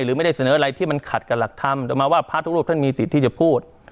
หรือไม่ได้เสนออะไรที่มันขัดกับหลักธรรมแต่มาว่าพระทุกรูปท่านมีสิทธิ์ที่จะพูด